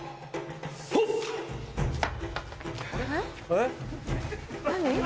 えっ？何？